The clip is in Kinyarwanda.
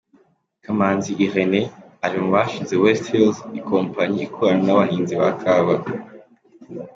Kamanzi Irénée: Ari mu bashinze West Hills, ikompanyi ikorana n’abahinzi ba kawa.